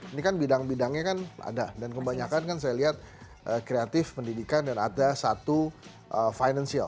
ini kan bidang bidangnya kan ada dan kebanyakan kan saya lihat kreatif pendidikan dan ada satu financial